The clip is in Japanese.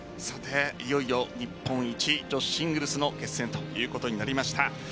いよいよ日本一女子シングルスの決戦ということになりました。